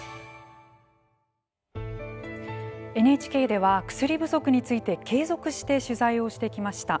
ＮＨＫでは薬不足について継続して取材をしてきました。